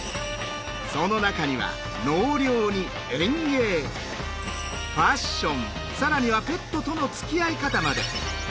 その中には納涼に園芸ファッション更にはペットとのつきあい方まで。